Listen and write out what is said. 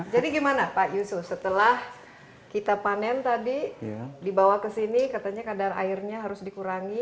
jadi gimana pak yusuf setelah kita panen tadi dibawa ke sini katanya kadar airnya harus dikurangi